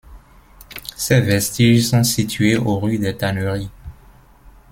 Ses vestiges sont situés au rue des Tanneries.